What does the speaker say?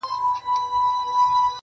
اوس مي ګوره دبدبې ته او دربار ته .